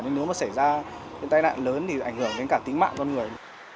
nếu mà xảy ra tai nạn lớn thì ảnh hưởng đến cả tính mạng con người